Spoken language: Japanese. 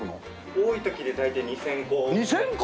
多い時で大体２０００個。